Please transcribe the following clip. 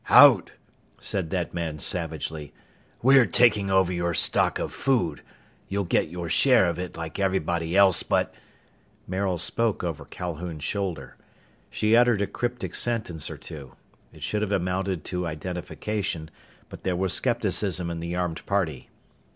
"Out!" said that man savagely. "We're taking over your stock of food. You'll get your share of it, like everybody else, but " Maril spoke over Calhoun's shoulder. She uttered a cryptic sentence or two. It should have amounted to identification but there was skepticism in the armed party.